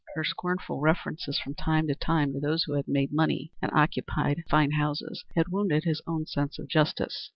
Her scornful references from time to time to those who had made money and occupied fine houses had wounded his own sense of justice.